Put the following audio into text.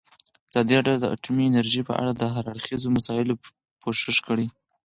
ازادي راډیو د اټومي انرژي په اړه د هر اړخیزو مسایلو پوښښ کړی.